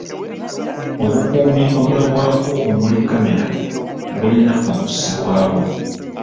Obukuumi obulabwako omuli kkamera bulina okussibwawo.